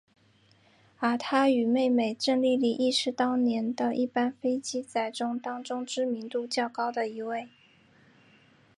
而他与姊姊郑丽丽亦是当年的一班飞机仔当中知名度较高的一位。